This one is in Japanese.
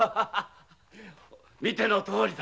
見てのとおりだ。